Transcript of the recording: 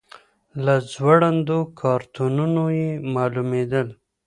له ځوړندو کارتونو یې معلومېدل.